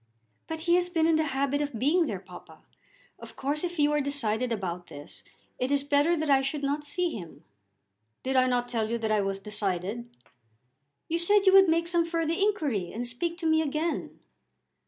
"But he has been in the habit of being there, papa. Of course if you are decided about this, it is better that I should not see him." "Did I not tell you that I was decided?" "You said you would make some further inquiry and speak to me again."